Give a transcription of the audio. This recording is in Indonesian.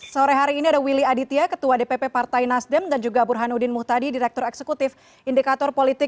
sore hari ini ada willy aditya ketua dpp partai nasdem dan juga burhanuddin muhtadi direktur eksekutif indikator politik